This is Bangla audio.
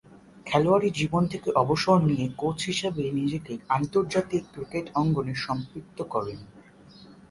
খেলোয়াড়ী জীবন থেকে অবসর নিয়ে কোচ হিসেবে নিজেকে আন্তর্জাতিক ক্রিকেট অঙ্গনে সম্পৃক্ত করেন।